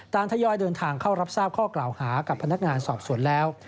ทยอยเดินทางเข้ารับทราบข้อกล่าวหากับพนักงานสอบสวนแล้ว